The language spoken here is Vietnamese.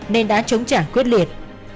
nên đã chống trả quyết liệt